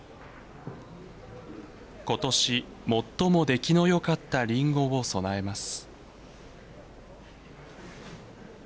今年、最も出来のよかったりんごを供えます。